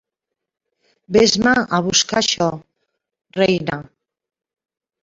Ves-me a buscar això, reina.